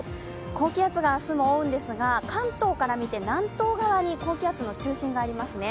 高気圧が明日多いんですが、関東から南東に高気圧の中心がありますね。